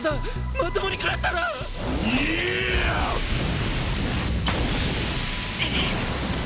まともに食らったらいやっ！